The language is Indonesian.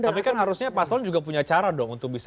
tapi kan harusnya paslon juga punya cara dong untuk bisa